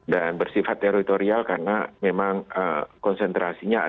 dan bersifat teritorial karena memang teroris teritorial organik